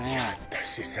私さ。